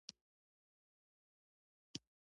پاتې شل فيصده د مختلفو جراثيمو له وجې وي